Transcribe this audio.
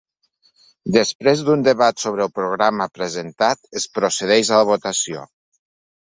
Després d’un debat sobre el programa presentat, es procedeix a la votació.